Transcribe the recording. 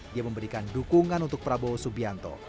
dia memberikan dukungan untuk prabowo subianto